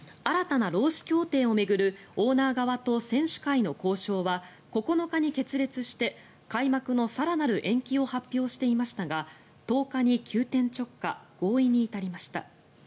新たな労使協定を巡るオーナー側と選手会の交渉は９日に決裂して開幕の更なる延期を発表していましたが１０日に急転直下合意に至りました。